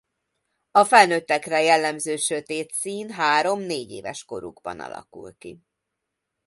A felnőttekre jellemző sötét szín három-négyéves korukban alakul ki.